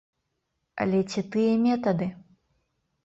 Але ці тыя метады?